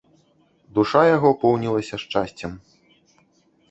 Душа яго поўнілася шчасцем.